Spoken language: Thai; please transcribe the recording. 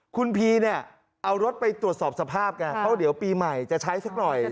คุณพีเนี่ยเอารถไปตรวจสอบสภาพไงเพราะเดี๋ยวปีใหม่จะใช้สักหน่อย